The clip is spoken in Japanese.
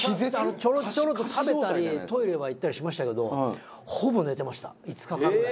ちょろちょろっと食べたりトイレは行ったりしましたけどほぼ寝てました５日間ぐらい。